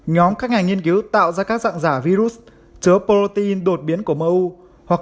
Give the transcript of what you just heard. nhóm các ngành nghiên cứu tạo ra các dạng giả virus chứa protein đột biến của mou hoặc